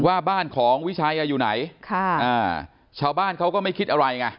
ว่าบ้านของวิชัยอยู่ไหนค่ะอ่าชาวบ้านเขาก็ไม่คิดอะไรไง